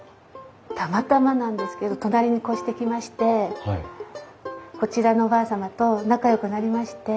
たまたまなんですけど隣に越してきましてこちらのおばあ様と仲よくなりまして。